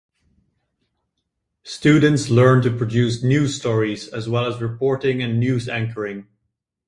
Students learn to produce news stories as well as reporting and news anchoring.